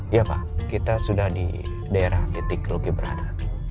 iya pak kita sudah di daerah titik loki berada